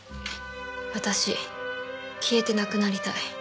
「わたし消えてなくなりたい」